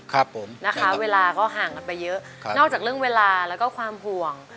ครับผมนะคะเวลาก็ห่างกันไปเยอะครับนอกจากเรื่องเวลาแล้วก็ความห่วง